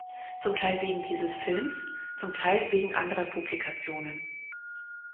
Zum Teil wegen dieses Films, zum Teil wegen anderer Publikationen.